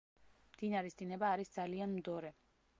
მდინარის დინება არის ძალიან მდორე.